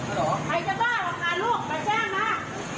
ใครจะบ้าบักกันลูกมาแจ้งมา